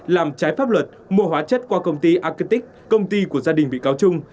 làm trái pháp luật mua hóa chất qua công ty argentic công ty của gia đình bị cáo trung